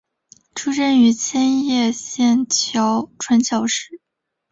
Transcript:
出身于千叶县船桥市。